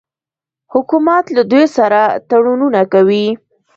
حکومت له دوی سره تړونونه کوي.